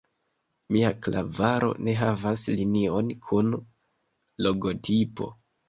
Mia klavaro ne havas linion kun logotipo.